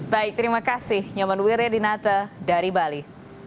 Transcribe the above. baik terima kasih nyaman wiryadinata dari bali